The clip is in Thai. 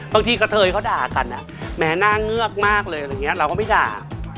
กระเทยเขาด่ากันแม้หน้าเงือกมากเลยอะไรอย่างนี้เราก็ไม่ด่า